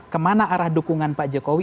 kemana arah dukungan pak jokowi